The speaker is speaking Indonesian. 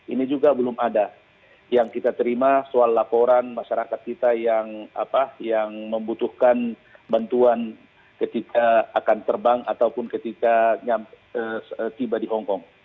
ini juga belum ada yang kita terima soal laporan masyarakat kita yang membutuhkan bantuan ketika akan terbang ataupun ketika tiba di hongkong